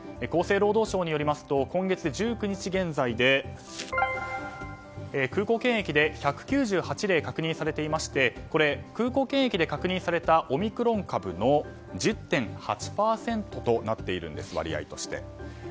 厚生労働省によりますと今月１９日現在で空港検疫で１９８例確認されていまして空港検疫で確認されたオミクロン株の１０．８％となっているんです割合として。